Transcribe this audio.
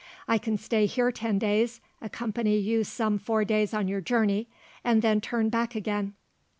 I can stay here ten days, accompany you some four days on your journey, and then turn back again."